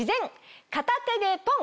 片手でポン‼